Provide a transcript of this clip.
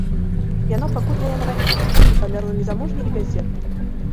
Яна пакутавала на рахіт і памерла незамужняй і бяздзетнай.